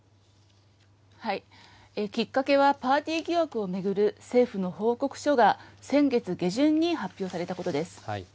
きっかけはパーティー疑惑を巡る政府の報告書が、先月下旬に発表されたことです。